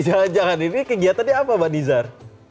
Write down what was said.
jangan jangan ini kegiatannya apa mbak nizar